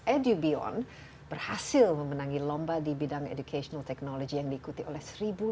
edubion berhasil memenangi lomba di bidang educational technology yang diikuti oleh